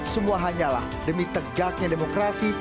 semua hanyalah demi tegaknya demokrasi